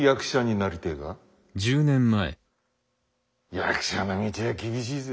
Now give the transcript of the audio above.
役者の道は厳しいぜ？